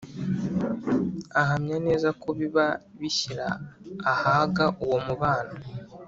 ahamya neza ko biba bishyira ahaga uwo mubano.